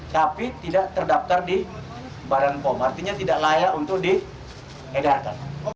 tapi tidak terdaftar di badan pom artinya tidak layak untuk diedarkan